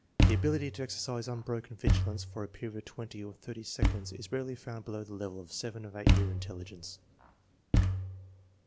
The ability to exercise unbroken vigilance for a period of twenty or thirty seconds is rarely found below the level of 7 or 8 year intelligence.